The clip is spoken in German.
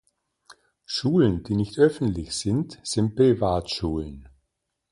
Schulen, die nicht öffentlich sind, sind Privatschulen.